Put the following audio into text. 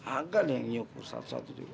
agak nih yang nyukur satu satu juga